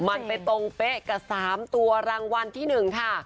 มันไปตรงเป๊ะกับ๓ตัวรางวัลที่๑ค่ะ